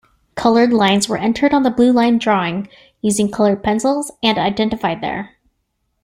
Colored lines were entered on the blue-line drawing using colored pencils and identified there.